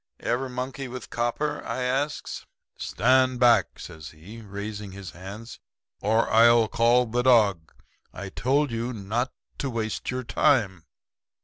"'Ever monkey with copper?' I asks. "'Stand back!' says he, raising his hand, 'or I'll call the dog. I told you not to waste your time.'